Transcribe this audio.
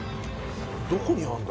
どこにあるんだ？